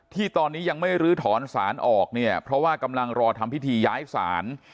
ที่ตอนนี้ยังไม่ลื้อถอนสารออกเนี่ยเพราะว่ากำลังรอทำพิธีย้ายศาล